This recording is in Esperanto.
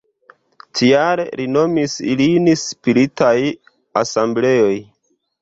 Tial, li nomis ilin "Spiritaj Asembleoj".